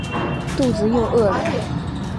肚子又饿了